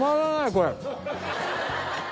これ。